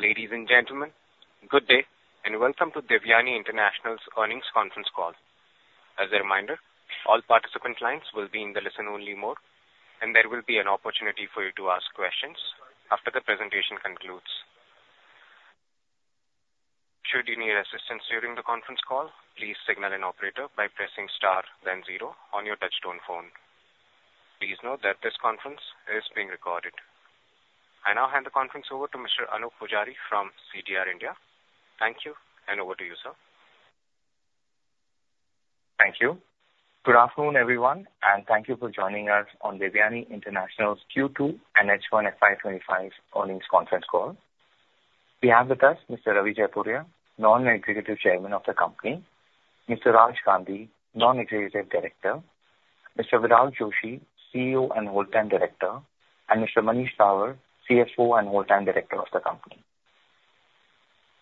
Ladies and gentlemen, good day and welcome to Devyani International's earnings conference call. As a reminder, all participant lines will be in the listen-only mode, and there will be an opportunity for you to ask questions after the presentation concludes. Should you need assistance during the conference call, please signal an operator by pressing star, then zero, on your touch-tone phone. Please note that this conference is being recorded. I now hand the conference over to Mr. Anup Pujari from CDR India. Thank you, and over to you, sir. Thank you. Good afternoon, everyone, and thank you for joining us on Devyani International's Q2 H1 FY25 earnings conference call. We have with us Mr. Ravi Jaipuria, Non-Executive Chairman of the company, Mr. Raj Gandhi, Non-Executive Director, Mr. Virag Joshi, CEO and Whole-time Director, and Mr. Manish Dawar, CFO and Whole-time Director of the company.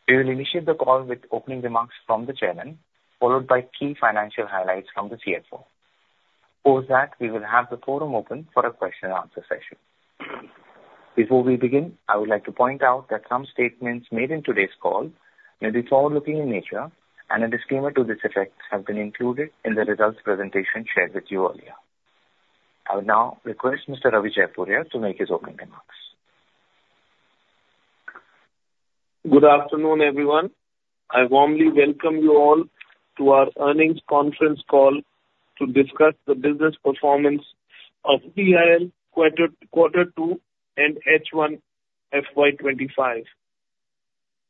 We will initiate the call with opening remarks from the chairman, followed by key financial highlights from the CFO. Post that, we will have the forum open for a question-and-answer session. Before we begin, I would like to point out that some statements made in today's call may be forward-looking in nature, and a disclaimer to this effect has been included in the results presentation shared with you earlier. I will now request Mr. Ravi Jaipuria to make his opening remarks. Good afternoon, everyone. I warmly welcome you all to our earnings conference call to discuss the business performance of DIL Q2 and H1 FY25.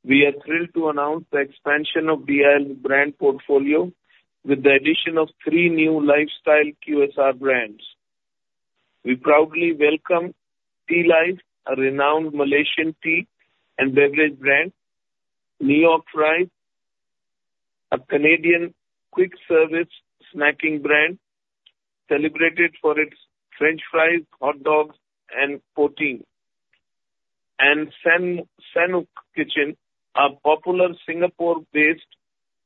We are thrilled to announce the expansion of DIL's brand portfolio with the addition of three new lifestyle QSR brands. We proudly welcome Tealive, a renowned Malaysian tea and beverage brand, New York Fries, a Canadian quick-service snacking brand celebrated for its French fries, hot dogs, and protein, and Sanook Kitchen, a popular Singapore-based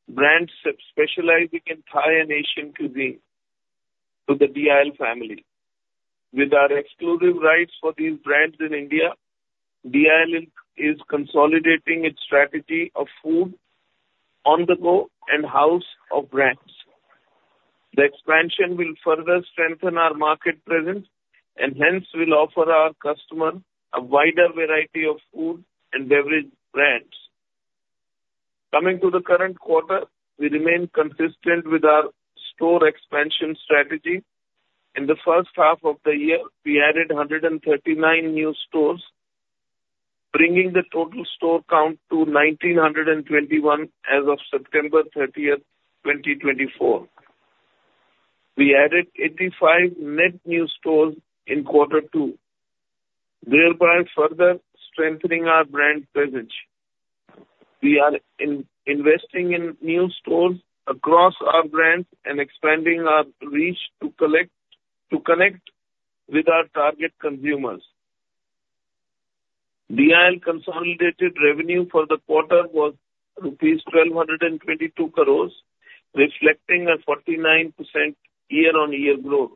brand specializing in Thai and Asian cuisine, to the DIL family. With our exclusive rights for these brands in India, DIL is consolidating its strategy of food on the go and house of brands. The expansion will further strengthen our market presence and hence will offer our customers a wider variety of food and beverage brands. Coming to the current quarter, we remain consistent with our store expansion strategy. In the first half of the year, we added 139 new stores, bringing the total store count to 1,921 as of September 30, 2024. We added 85 net new stores in Q2, thereby further strengthening our brand presence. We are investing in new stores across our brands and expanding our reach to connect with our target consumers. DIL consolidated revenue for the quarter was rupees 1,222 crores, reflecting a 49% year-on-year growth.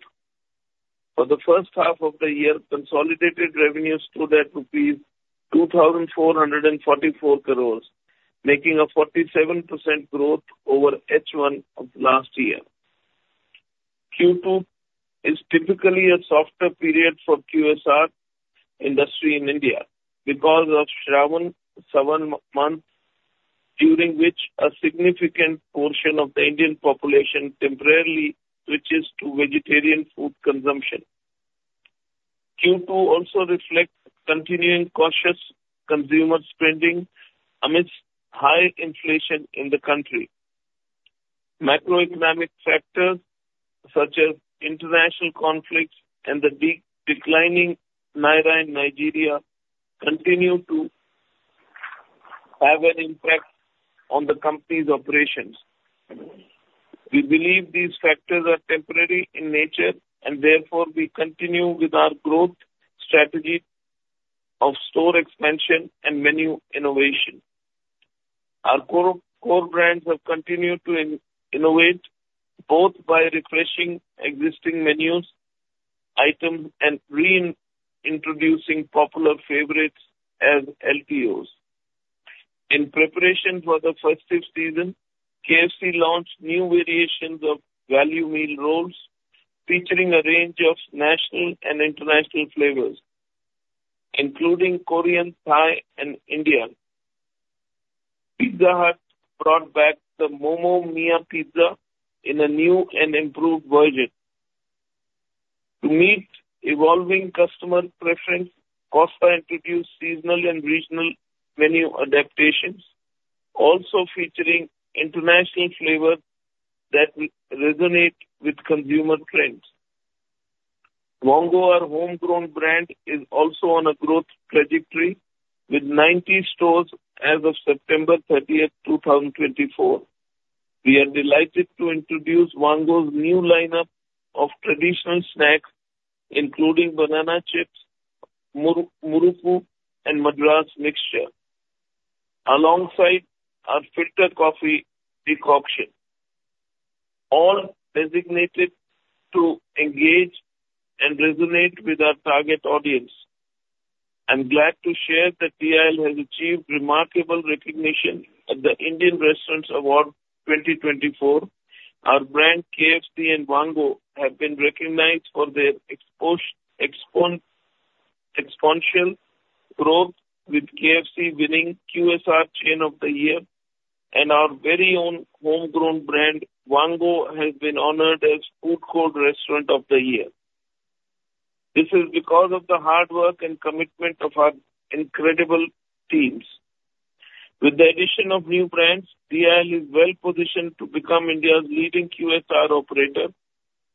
For the first half of the year, consolidated revenue stood at rupees 2,444 crores, making a 47% growth over H1 of last year. Q2 is typically a softer period for QSR industry in India because of Shravan month, during which a significant portion of the Indian population temporarily switches to vegetarian food consumption. Q2 also reflects continuing cautious consumer spending amidst high inflation in the country. Macroeconomic factors such as international conflicts and the declining Naira in Nigeria continue to have an impact on the company's operations. We believe these factors are temporary in nature, and therefore we continue with our growth strategy of store expansion and menu innovation. Our core brands have continued to innovate, both by refreshing existing menu items and reintroducing popular favorites as LTOs. In preparation for the festive season, KFC launched new variations of value meal rolls featuring a range of national and international flavors, including Korean, Thai, and Indian. Pizza Hut brought back the Momo Mia Pizza in a new and improved version. To meet evolving customer preferences, Costa introduced seasonal and regional menu adaptations, also featuring international flavors that resonate with consumer trends. Vaango!, our homegrown brand, is also on a growth trajectory with 90 stores as of September 30, 2024. We are delighted to introduce Vaango!'s new lineup of traditional snacks, including banana chips, murukku, and Madras mixture, alongside our filter coffee decoction, all designated to engage and resonate with our target audience. I'm glad to share that DIL has achieved remarkable recognition at the Indian Restaurants Award 2024. Our brand KFC and Vaango! have been recognized for their exponential growth, with KFC winning QSR Chain of the Year, and our very own homegrown brand Vaango! has been honored as Food Court Restaurant of the Year. This is because of the hard work and commitment of our incredible teams. With the addition of new brands, DIL is well-positioned to become India's leading QSR operator,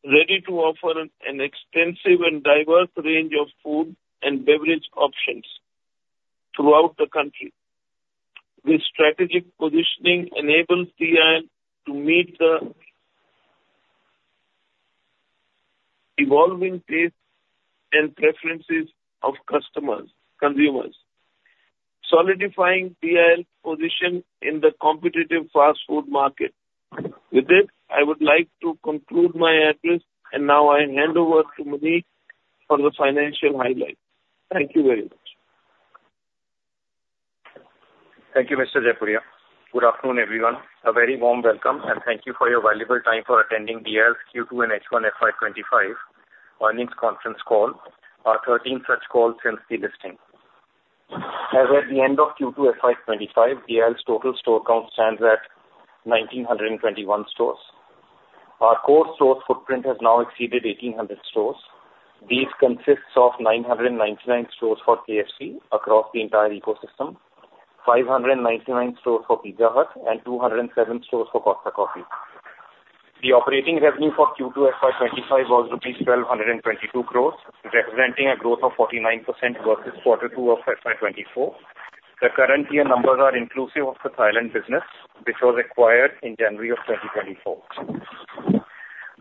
ready to offer an extensive and diverse range of food and beverage options throughout the country. This strategic positioning enables DIL to meet the evolving tastes and preferences of consumers, solidifying DIL's position in the competitive fast food market. With this, I would like to conclude my address, and now I hand over to Manish for the financial highlights. Thank you very much. Thank you, Mr. Jaipuria. Good afternoon, everyone. A very warm welcome, and thank you for your valuable time for attending DIL's Q2 and H1 FY25 earnings conference call. Our 13 such calls since the listing. As at the end of Q2 FY25, DIL's total store count stands at 1,921 stores. Our core store footprint has now exceeded 1,800 stores. These consist of 999 stores for KFC across the entire ecosystem, 599 stores for Pizza Hut, and 207 stores for Costa Coffee. The operating revenue for Q2 FY25 was INR 1,222 crores, representing a growth of 49% versus Q2 of FY24. The current year numbers are inclusive of the Thailand business, which was acquired in January of 2024.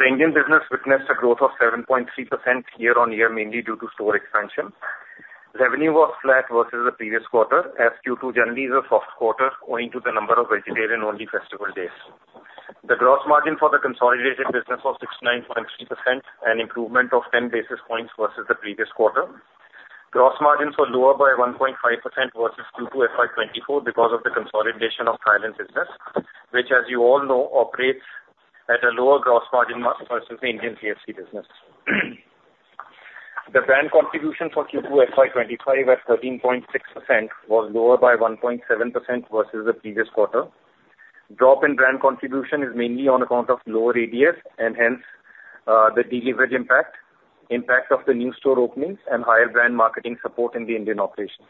The Indian business witnessed a growth of 7.3% year-on-year, mainly due to store expansion. Revenue was flat versus the previous quarter, as Q2 generally is a soft quarter, owing to the number of vegetarian-only festival days. The gross margin for the consolidated business was 69.3%, an improvement of 10 basis points versus the previous quarter. Gross margins were lower by 1.5% versus Q2 FY24 because of the consolidation of Thailand business, which, as you all know, operates at a lower gross margin versus the Indian KFC business. The brand contribution for Q2 FY25 at 13.6% was lower by 1.7% versus the previous quarter. Drop in brand contribution is mainly on account of lower ADS and hence the delivery impact, impact of the new store openings, and higher brand marketing support in the Indian operations.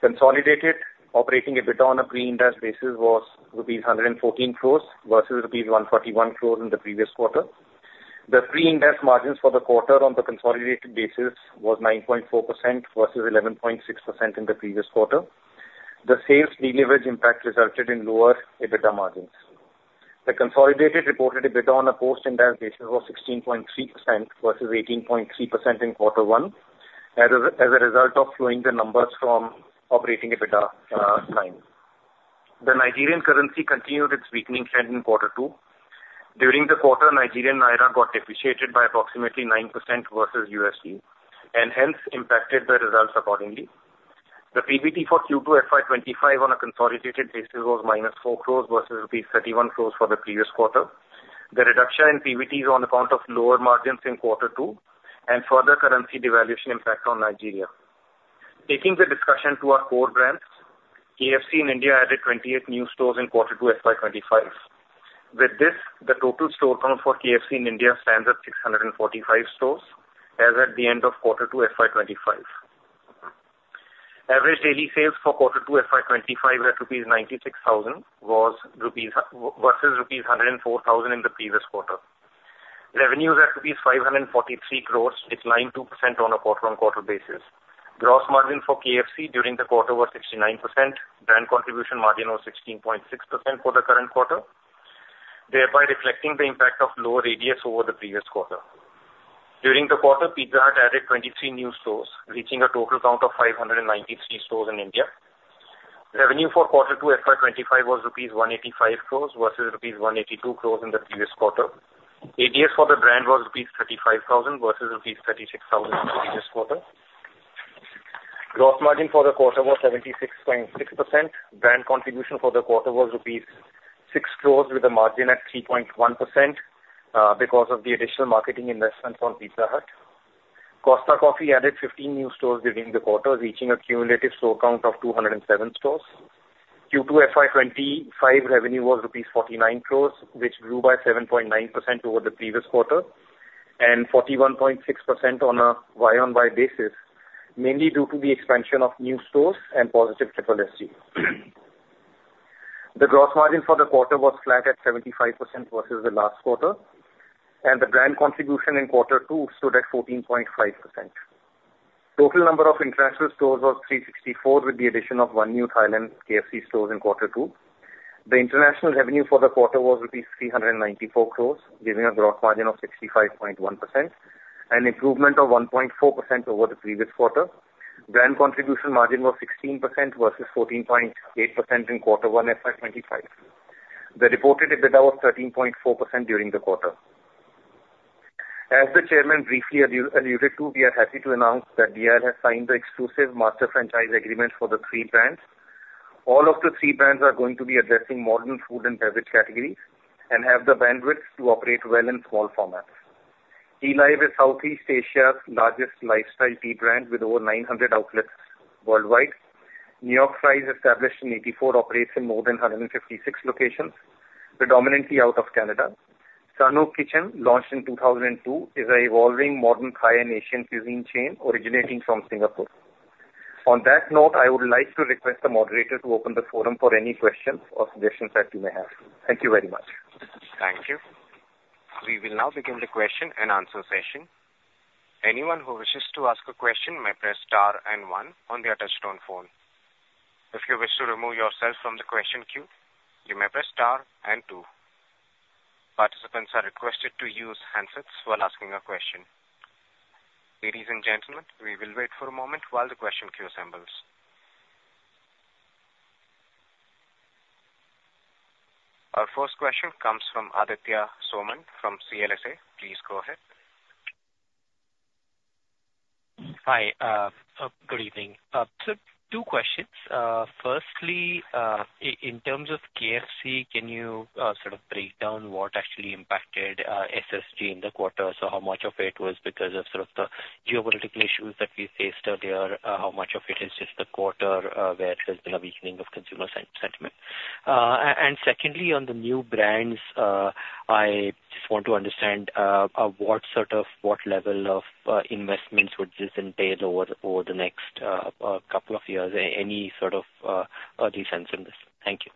Consolidated, operating EBITDA on a Pre-Ind AS basis was rupees 114 crores versus rupees 141 crores in the previous quarter. The Pre-Ind AS margins for the quarter on the consolidated basis was 9.4% versus 11.6% in the previous quarter. The sales delivery impact resulted in lower EBITDA margins. The consolidated reported EBITDA on a Post-Ind AS basis was 16.3% versus 18.3% in Q1, as a result of flowing the numbers from operating EBITDA line. The Nigerian currency continued its weakening trend in Q2. During the quarter, Nigerian Naira got depreciated by approximately 9% versus USD, and hence impacted the results accordingly. The PBT for Q2 FY25 on a consolidated basis was -4 crores versus rupees 31 crores for the previous quarter. The reduction in PBT is on account of lower margins in Q2 and further currency devaluation impact on Nigeria. Taking the discussion to our core brands, KFC in India added 28 new stores in Q2 FY25. With this, the total store count for KFC in India stands at 645 stores, as at the end of Q2 FY25. Average daily sales for Q2 FY25 at 96,000 rupees versus rupees 104,000 in the previous quarter. Revenues at rupees 543 crores declined 2% on a quarter-on-quarter basis. Gross margin for KFC during the quarter was 69%. Brand contribution margin was 16.6% for the current quarter, thereby reflecting the impact of lower ADS over the previous quarter. During the quarter, Pizza Hut added 23 new stores, reaching a total count of 593 stores in India. Revenue for Q2 FY25 was rupees 185 crores versus rupees 182 crores in the previous quarter. ADS for the brand was rupees 35,000 versus rupees 36,000 in the previous quarter. Gross margin for the quarter was 76.6%. Brand contribution for the quarter was rupees 6 crores, with a margin at 3.1% because of the additional marketing investments on Pizza Hut. Costa Coffee added 15 new stores during the quarter, reaching a cumulative store count of 207 stores. Q2 FY25 revenue was 49 crores rupees, which grew by 7.9% over the previous quarter and 41.6% on a Y-o-Y basis, mainly due to the expansion of new stores and positive SSSG. The gross margin for the quarter was flat at 75% versus the last quarter, and the brand contribution in Q2 stood at 14.5%. Total number of international stores was 364, with the addition of one new Thailand KFC store in Q2. The international revenue for the quarter was rupees 394 crores, giving a gross margin of 65.1%, an improvement of 1.4% over the previous quarter. Brand contribution margin was 16% versus 14.8% in Q1 FY25. The reported EBITDA was 13.4% during the quarter. As the chairman briefly alluded to, we are happy to announce that DIL has signed the exclusive master franchise agreement for the three brands. All of the three brands are going to be addressing modern food and beverage categories and have the bandwidth to operate well in small formats. Tealive is Southeast Asia's largest lifestyle tea brand with over 900 outlets worldwide. New York Fries, established in 1984, operates in more than 156 locations, predominantly out of Canada. Sanook Kitchen, launched in 2002, is an evolving modern Thai and Asian cuisine chain originating from Singapore. On that note, I would like to request the moderator to open the forum for any questions or suggestions that you may have. Thank you very much. Thank you. We will now begin the question and answer session. Anyone who wishes to ask a question may press star and one on the touch-tone phone. If you wish to remove yourself from the question queue, you may press star and two. Participants are requested to use handsets while asking a question. Ladies and gentlemen, we will wait for a moment while the question queue assembles. Our first question comes from Aditya Soman from CLSA. Please go ahead. Hi. Good evening. Two questions. Firstly, in terms of KFC, can you sort of break down what actually impacted SSG in the quarter? So how much of it was because of sort of the geopolitical issues that we faced earlier? How much of it is just the quarter where there's been a weakening of consumer sentiment? And secondly, on the new brands, I just want to understand what sort of what level of investments would this entail over the next couple of years? Any sort of decisions in this? Thank you.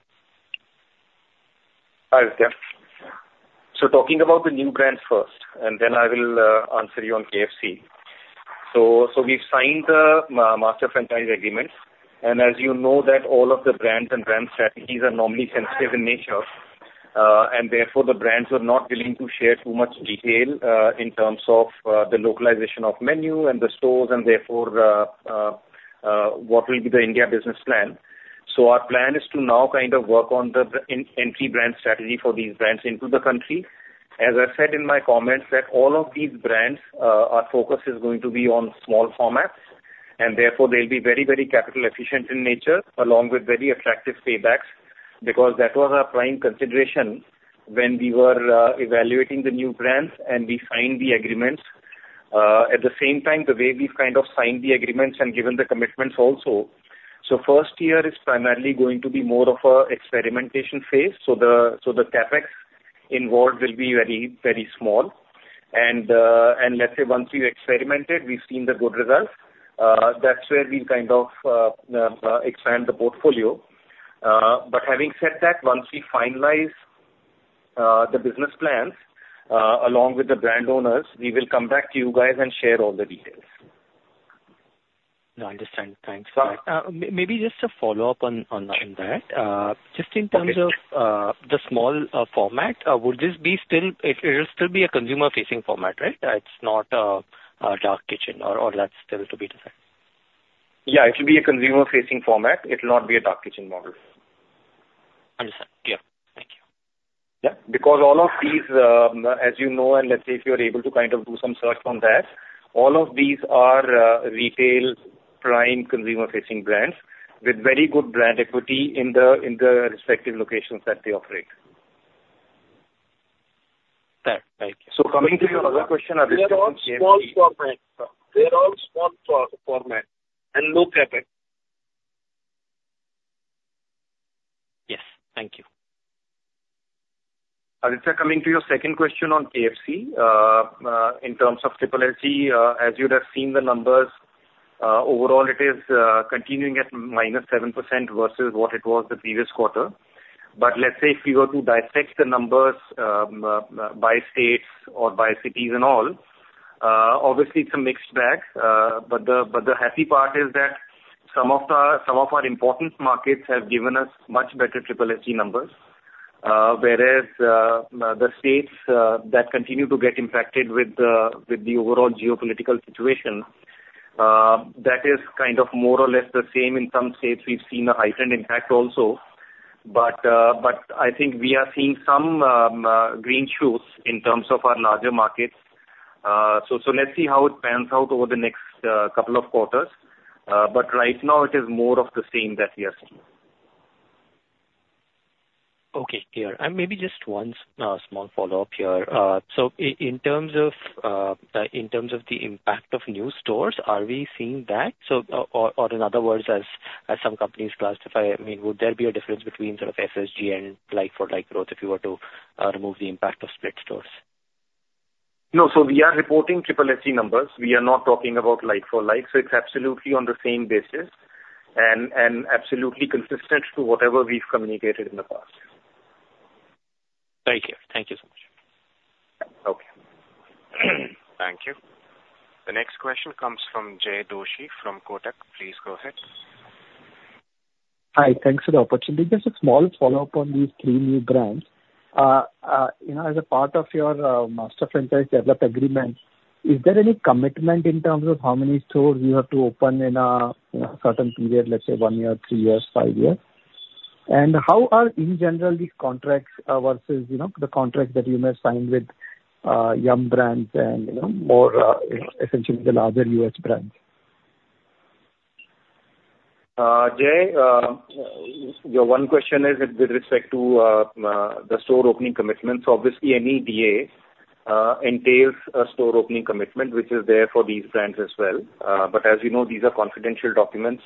Aditya. So talking about the new brands first, and then I will answer you on KFC. So we've signed the master franchise agreement, and as you know, all of the brands and brand strategies are normally sensitive in nature, and therefore the brands were not willing to share too much detail in terms of the localization of menu and the stores and therefore what will be the India business plan. So our plan is to now kind of work on the entry brand strategy for these brands into the country. As I said in my comments, that all of these brands, our focus is going to be on small formats, and therefore they'll be very, very capital-efficient in nature, along with very attractive paybacks because that was our prime consideration when we were evaluating the new brands and we signed the agreements. At the same time, the way we've kind of signed the agreements and given the commitments also. So first year is primarily going to be more of an experimentation phase. So the CapEx involved will be very, very small. And let's say once we've experimented, we've seen the good results. That's where we'll kind of expand the portfolio. But having said that, once we finalize the business plans along with the brand owners, we will come back to you guys and share all the details. No, I understand. Thanks. Sorry. Maybe just a follow-up on that. Just in terms of the small format, would this still be a consumer-facing format, right? It's not a dark kitchen, or that's still to be decided? Yeah, it will be a consumer-facing format. It'll not be a dark kitchen model. Understood. Yeah. Thank you. Yeah. Because all of these, as you know, and let's say if you're able to kind of do some search on that, all of these are retail prime consumer-facing brands with very good brand equity in the respective locations that they operate. Thank you. So coming to your other question, Aditya. They're all small format. They're all small format, and look at it. Yes. Thank you. Aditya, coming to your second question on KFC, in terms of SSSG, as you'd have seen the numbers, overall it is continuing at minus 7% versus what it was the previous quarter. But let's say if we were to dissect the numbers by states or by cities and all, obviously it's a mixed bag. But the happy part is that some of our important markets have given us much better SSSG numbers, whereas the states that continue to get impacted with the overall geopolitical situation, that is kind of more or less the same. In some states, we've seen a heightened impact also. But I think we are seeing some green shoots in terms of our larger markets. So let's see how it pans out over the next couple of quarters. But right now, it is more of the same that we are seeing. Okay. Here. And maybe just one small follow-up here. So in terms of the impact of new stores, are we seeing that? So in other words, as some companies classify, I mean, would there be a difference between sort of SSG and like-for-like growth if you were to remove the impact of split stores? No. So we are reporting SSG numbers. We are not talking about like-for-like. So it's absolutely on the same basis and absolutely consistent to whatever we've communicated in the past. Thank you. Thank you so much. Okay. Thank you. The next question comes from Jay Doshi from Kotak. Please go ahead. Hi. Thanks for the opportunity. Just a small follow-up on these three new brands. As a part of your master franchise development agreement, is there any commitment in terms of how many stores you have to open in a certain period, let's say one year, three years, five years? And how are, in general, these contracts versus the contracts that you may have signed with Yum Brands and more essentially the larger U.S. brands? Jay, your one question is with respect to the store opening commitments. Obviously, any DA entails a store opening commitment, which is there for these brands as well. But as you know, these are confidential documents.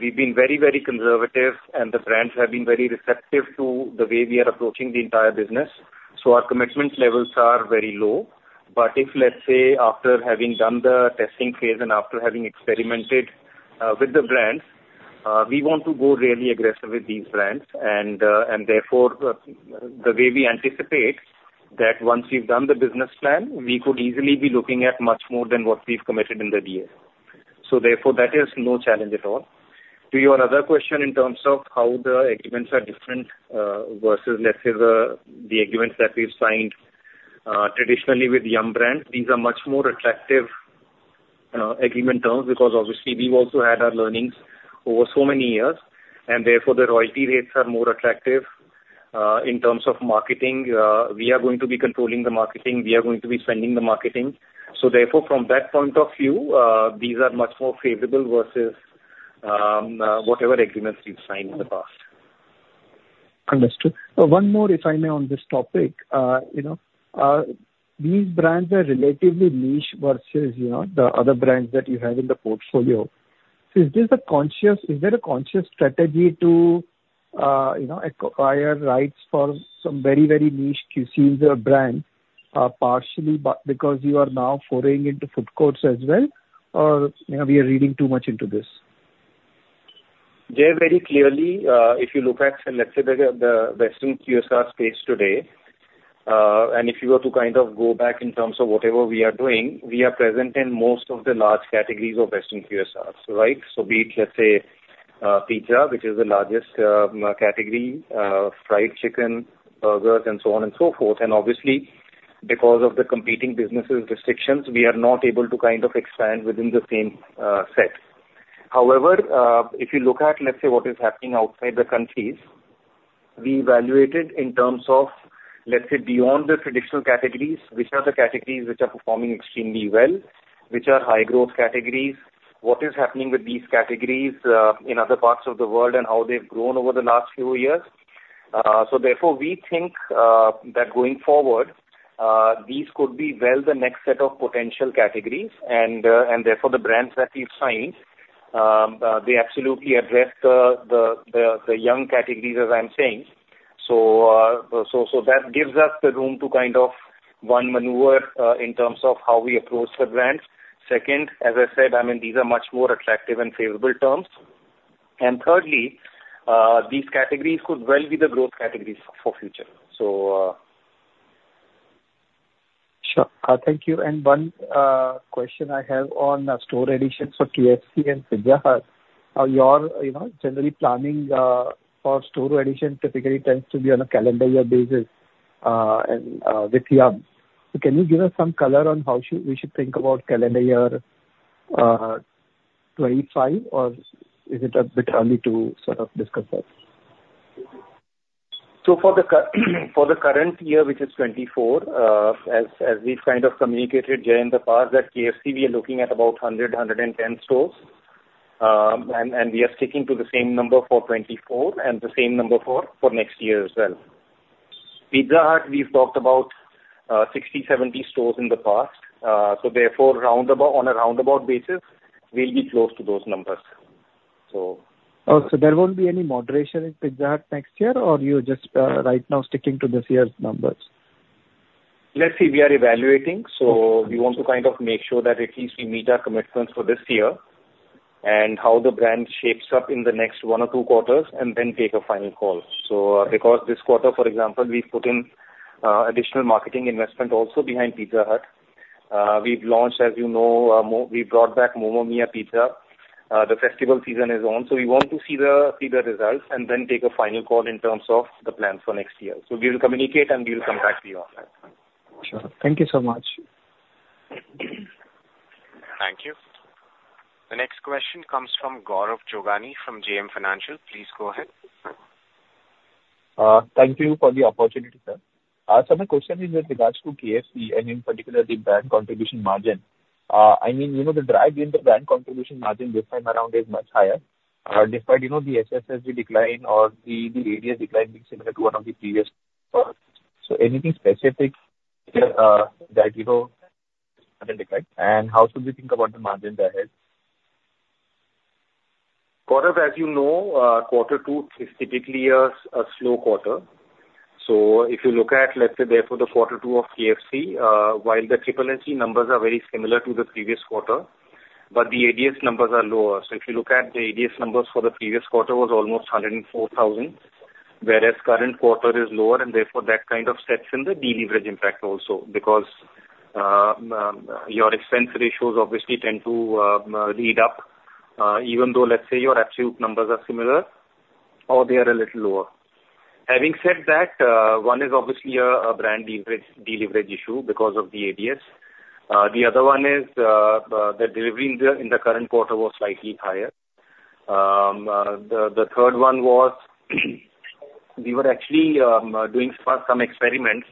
We've been very, very conservative, and the brands have been very receptive to the way we are approaching the entire business. So our commitment levels are very low. But if, let's say, after having done the testing phase and after having experimented with the brands, we want to go really aggressive with these brands. And therefore, the way we anticipate that once we've done the business plan, we could easily be looking at much more than what we've committed in the DA. So therefore, that is no challenge at all. To your other question in terms of how the agreements are different versus, let's say, the agreements that we've signed traditionally with Yum brands, these are much more attractive agreement terms because obviously we've also had our learnings over so many years. And therefore, the royalty rates are more attractive in terms of marketing. We are going to be controlling the marketing. We are going to be spending the marketing. So therefore, from that point of view, these are much more favorable versus whatever agreements we've signed in the past. Understood. One more, if I may, on this topic. These brands are relatively niche versus the other brands that you have in the portfolio. Is there a conscious strategy to acquire rights for some very, very niche QSR brands partially because you are now foraying into food courts as well, or we are reading too much into this? Jay, very clearly, if you look at, let's say, the Western QSR space today, and if you were to kind of go back in terms of whatever we are doing, we are present in most of the large categories of Western QSRs, right? So be it, let's say, pizza, which is the largest category, fried chicken, burgers, and so on and so forth. And obviously, because of the competing businesses' restrictions, we are not able to kind of expand within the same set. However, if you look at, let's say, what is happening outside the countries, we evaluated in terms of, let's say, beyond the traditional categories, which are the categories which are performing extremely well, which are high-growth categories. What is happening with these categories in other parts of the world and how they've grown over the last few years? So therefore, we think that going forward, these could be well the next set of potential categories. And therefore, the brands that we've signed, they absolutely address the young categories, as I'm saying. So that gives us the room to kind of one maneuver in terms of how we approach the brands. Second, as I said, I mean, these are much more attractive and favorable terms. And thirdly, these categories could well be the growth categories for future. So. Sure. Thank you. And one question I have on store additions for KFC and Pizza Hut. You're generally planning for store addition typically tends to be on a calendar year basis with Yum. So can you give us some color on how we should think about calendar year 2025, or is it a bit early to sort of discuss that? So for the current year, which is 2024, as we've kind of communicated, Jay, in the past, that KFC, we are looking at about 100-110 stores. And we are sticking to the same number for 2024 and the same number for next year as well. Pizza Hut, we've talked about 60-70 stores in the past. So therefore, on a roundabout basis, we'll be close to those numbers. So. Oh, so there won't be any moderation in Pizza Hut next year, or you're just right now sticking to this year's numbers? Let's see. We are evaluating. So we want to kind of make sure that at least we meet our commitments for this year and how the brand shapes up in the next one or two quarters and then take a final call. So because this quarter, for example, we've put in additional marketing investment also behind Pizza Hut. We've launched, as you know, we brought back Momo Mia Pizza. The festival season is on. So we want to see the results and then take a final call in terms of the plans for next year. So we'll communicate, and we'll come back to you on that. Sure. Thank you so much. Thank you. The next question comes from Gaurav Jogani from JM Financial. Please go ahead. Thank you for the opportunity, sir. So my question is with regards to KFC and in particular the brand contribution margin. I mean, the drive in the brand contribution margin this time around is much higher, despite the SSG decline or the ADS decline being similar to one of the previous quarters. So anything specific that you know? And how should we think about the margins ahead? Gaurav, as you know, quarter two is typically a slow quarter. So if you look at, let's say, therefore, the quarter two of KFC, while the SSG numbers are very similar to the previous quarter, but the ADS numbers are lower. So if you look at the ADS numbers for the previous quarter, it was almost 104,000, whereas the current quarter is lower. And therefore, that kind of sets in the deleverage impact also because your expense ratios obviously tend to run up, even though, let's say, your absolute numbers are similar or they are a little lower. Having said that, one is obviously a brand deleverage issue because of the ADS. The other one is the delivery in the current quarter was slightly higher. The third one was we were actually doing some experiments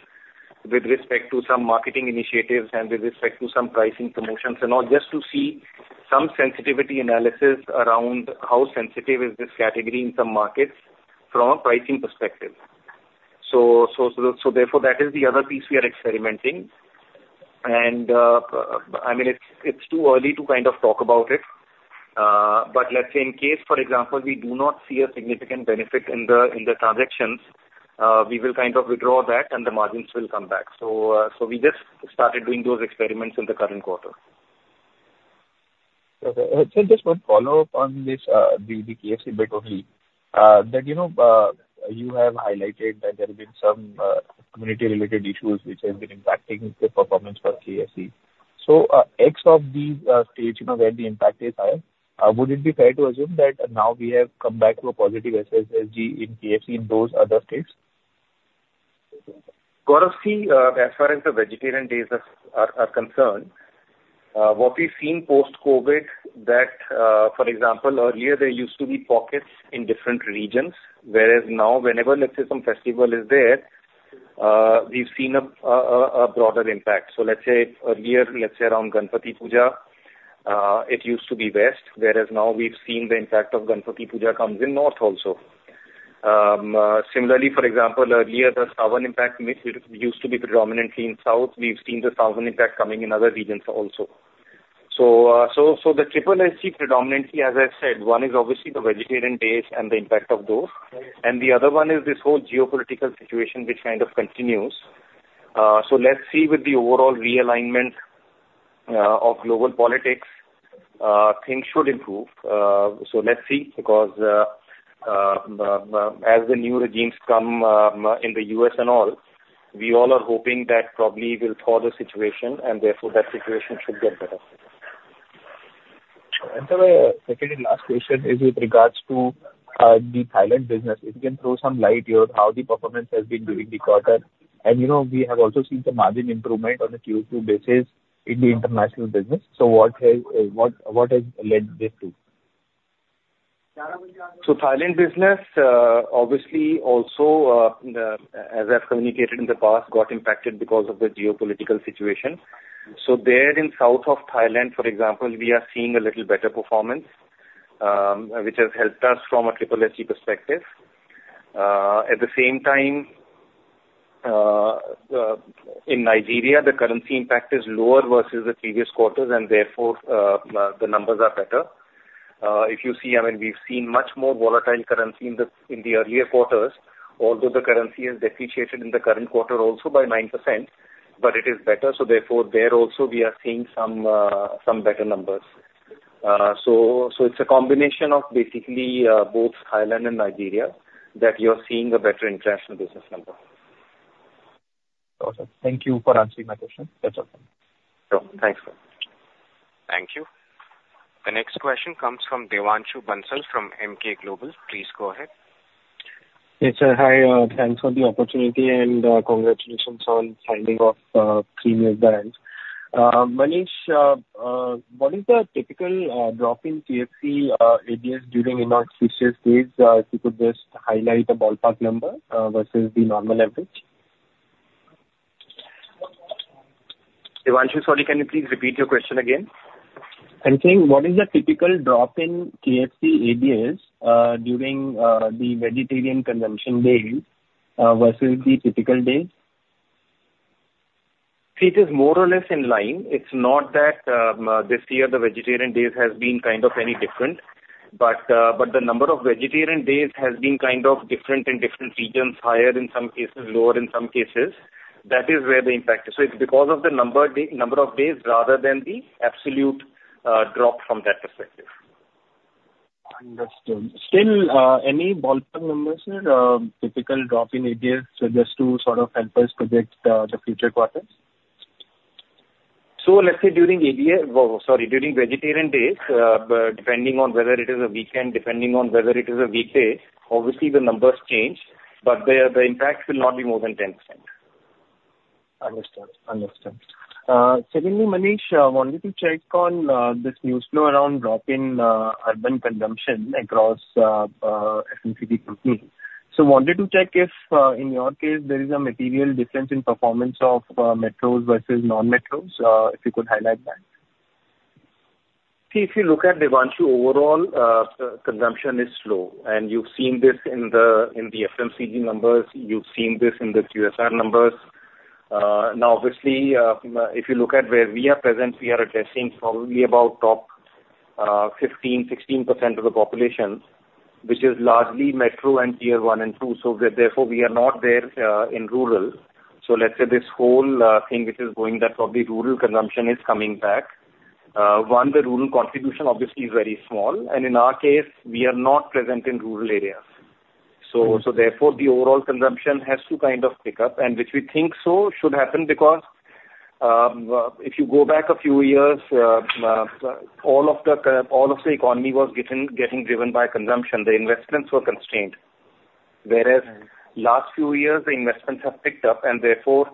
with respect to some marketing initiatives and with respect to some pricing promotions and all just to see some sensitivity analysis around how sensitive is this category in some markets from a pricing perspective. So therefore, that is the other piece we are experimenting. And I mean, it's too early to kind of talk about it. But let's say in case, for example, we do not see a significant benefit in the transactions, we will kind of withdraw that, and the margins will come back. So we just started doing those experiments in the current quarter. Okay. Just one follow-up on the KFC bit only. You have highlighted that there have been some community-related issues which have been impacting the performance for KFC. So ex of these states where the impact is higher, would it be fair to assume that now we have come back to a positive SSG in KFC in those other states? Gaurav, see, as far as the vegetarian days are concerned, what we've seen post-COVID that, for example, earlier, there used to be pockets in different regions, whereas now, whenever, let's say, some festival is there, we've seen a broader impact. Let's say earlier, let's say, around Ganpati Puja, it used to be west, whereas now we've seen the impact of Ganpati Puja comes in north also. Similarly, for example, earlier, the southern impact used to be predominantly in south. We've seen the southern impact coming in other regions also. The SSG predominantly, as I said, one is obviously the vegetarian days and the impact of those. The other one is this whole geopolitical situation which kind of continues. Let's see with the overall realignment of global politics, things should improve. So let's see because as the new regimes come in the U.S. and all, we all are hoping that probably we'll thaw the situation, and therefore, that situation should get better. And so my second and last question is with regards to the Thailand business. If you can throw some light here on how the performance has been during the quarter. And we have also seen some margin improvement on a Q2 basis in the international business. So what has led this to? Thailand business, obviously, also, as I've communicated in the past, got impacted because of the geopolitical situation. So there in south of Thailand, for example, we are seeing a little better performance, which has helped us from an SSG perspective. At the same time, in Nigeria, the currency impact is lower versus the previous quarters, and therefore, the numbers are better. If you see, I mean, we've seen much more volatile currency in the earlier quarters, although the currency is depreciated in the current quarter also by 9%, but it is better. So therefore, there also, we are seeing some better numbers. So it's a combination of basically both Thailand and Nigeria that you're seeing a better international business number. Awesome. Thank you for answering my question. That's all. Sure. Thanks, sir. Thank you. The next question comes from Devanshu Bansal from Emkay Global. Please go ahead. Yes, sir. Hi. Thanks for the opportunity and congratulations on signing off three new brands. Manish, what is the typical drop in KFC ADS during in-house switches days? If you could just highlight a ballpark number versus the normal average? Devanshu, sorry, can you please repeat your question again? I'm saying what is the typical drop in KFC ADS during the vegetarian consumption days versus the typical days? See, it is more or less in line. It's not that this year the vegetarian days has been kind of any different. But the number of vegetarian days has been kind of different in different regions, higher in some cases, lower in some cases. That is where the impact is. So it's because of the number of days rather than the absolute drop from that perspective. Understood. Still, any ballpark numbers, sir? Typical drop in ADS just to sort of help us predict the future quarters? So let's say during ADS, sorry, during vegetarian days, depending on whether it is a weekend, depending on whether it is a weekday, obviously the numbers change, but the impact will not be more than 10%. Understood. Understood. Secondly, Manish, I wanted to check on this news flow around drop in urban consumption across FMCG companies. So I wanted to check if in your case, there is a material difference in performance of metros versus non-metros, if you could highlight that. See, if you look at Devanshu, overall consumption is slow, and you've seen this in the FMCG numbers. You've seen this in the QSR numbers. Now, obviously, if you look at where we are present, we are addressing probably about top 15-16% of the population, which is largely metro and tier one and two, so therefore, we are not there in rural. So let's say this whole thing which is going, that probably rural consumption is coming back. One, the rural contribution obviously is very small, and in our case, we are not present in rural areas, so therefore, the overall consumption has to kind of pick up, which we think so should happen because if you go back a few years, all of the economy was getting driven by consumption. The investments were constrained. Whereas last few years, the investments have picked up. Therefore,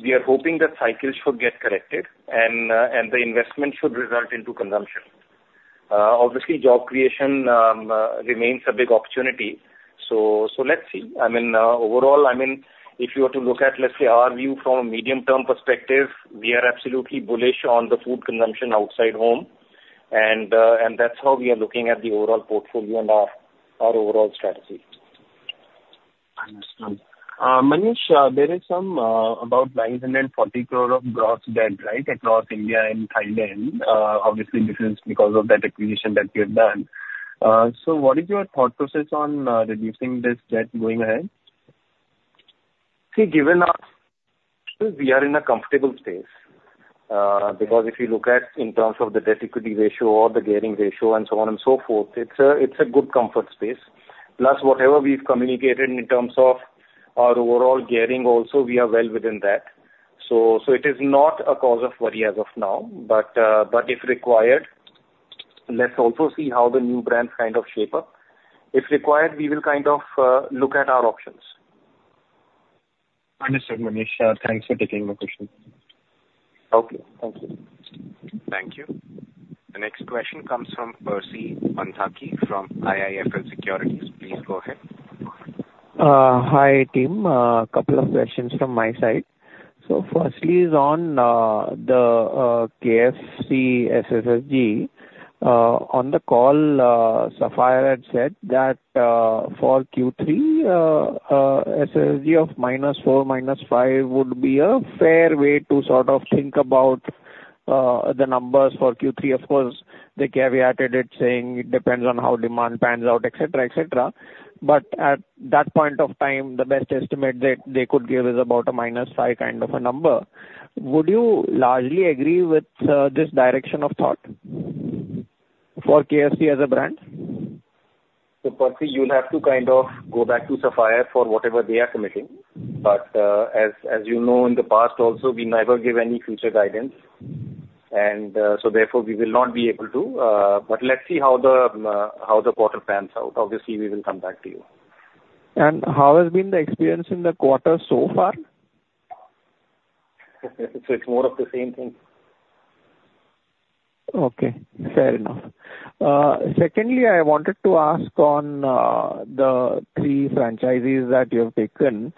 we are hoping that cycles should get corrected, and the investment should result into consumption. Obviously, job creation remains a big opportunity. So let's see. I mean, overall, I mean, if you were to look at, let's say, our view from a medium-term perspective, we are absolutely bullish on the food consumption outside home. That's how we are looking at the overall portfolio and our overall strategy. Understood. Manish, there is some about 940 crore of gross debt, right, across India and Thailand. Obviously, this is because of that acquisition that you have done. So what is your thought process on reducing this debt going ahead? See, given this, we are in a comfortable space because if you look at it in terms of the debt equity ratio or the gearing ratio and so on and so forth, it's a good comfort space. Plus, whatever we've communicated in terms of our overall gearing, also we are well within that. So it is not a cause of worry as of now. But if required, let's also see how the new brands kind of shape up. If required, we will kind of look at our options. Understood, Manish. Thanks for taking the question. Okay. Thank you. Thank you. The next question comes from Percy Panthaki from IIFL Securities. Please go ahead. Hi, team. A couple of questions from my side. So firstly is on the KFC SSG. On the call, Sapphire had said that for Q3, SSG of -4% to -5% would be a fair way to sort of think about the numbers for Q3. Of course, they caveated it saying it depends on how demand pans out, etc., etc. But at that point of time, the best estimate that they could give is about a -5% kind of a number. Would you largely agree with this direction of thought for KFC as a brand? So Percy, you'll have to kind of go back to Sapphire for whatever they are committing. But as you know, in the past, also, we never give any future guidance. And so therefore, we will not be able to. But let's see how the quarter pans out. Obviously, we will come back to you. How has been the experience in the quarter so far? So it's more of the same thing. Okay. Fair enough. Secondly, I wanted to ask on the three franchisees that you have taken.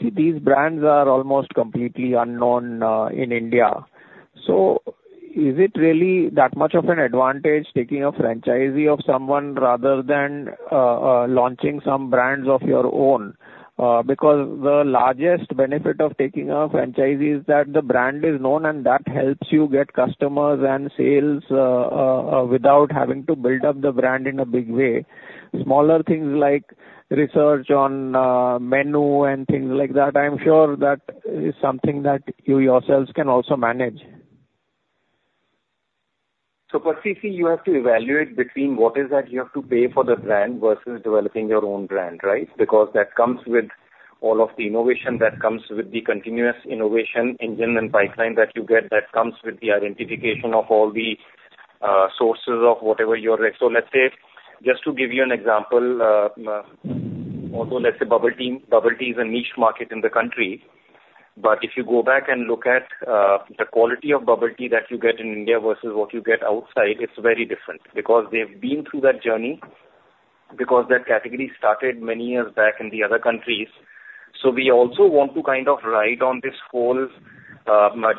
See, these brands are almost completely unknown in India. So is it really that much of an advantage taking a franchise of someone rather than launching some brands of your own? Because the largest benefit of taking a franchise is that the brand is known, and that helps you get customers and sales without having to build up the brand in a big way. Smaller things like research on menu and things like that, I'm sure that is something that you yourselves can also manage. So Percy, see, you have to evaluate between what is that you have to pay for the brand versus developing your own brand, right? Because that comes with all of the innovation that comes with the continuous innovation engine and pipeline that you get that comes with the identification of all the sources of whatever you're in. So let's say, just to give you an example, although let's say bubble tea, bubble tea is a niche market in the country. But if you go back and look at the quality of bubble tea that you get in India versus what you get outside, it's very different because they've been through that journey because that category started many years back in the other countries. So we also want to kind of ride on this whole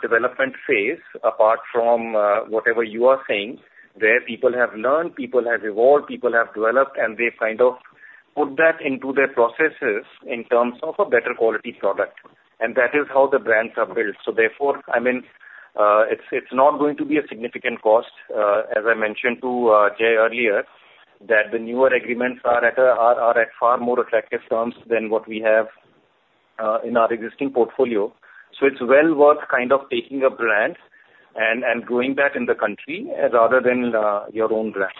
development phase apart from whatever you are saying, where people have learned, people have evolved, people have developed, and they've kind of put that into their processes in terms of a better quality product. And that is how the brands are built. So therefore, I mean, it's not going to be a significant cost, as I mentioned to Jay earlier, that the newer agreements are at far more attractive terms than what we have in our existing portfolio. So it's well worth kind of taking a brand and growing that in the country rather than your own brand.